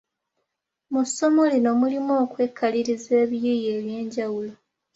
Mu ssomo lino mulimu okwekaliriza ebiyiiye eby’enjawulo.